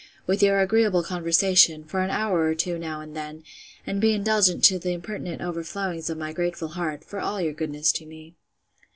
with your agreeable conversation, for an hour or two now and then; and be indulgent to the impertinent overflowings of my grateful heart, for all your goodness to me.